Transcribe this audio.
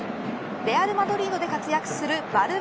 レアルマドリードで活躍するヴァル